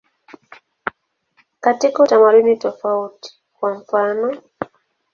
Katika utamaduni tofauti, kwa mfanof.